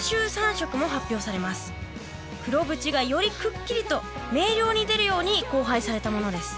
黒ブチがよりくっきりと明瞭に出るように交配されたものです。